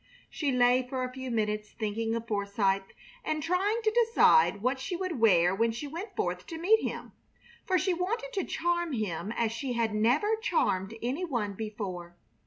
She lay for a few minutes thinking of Forsythe, and trying to decide what she would wear when she went forth to meet him, for she wanted to charm him as she had never charmed any one before.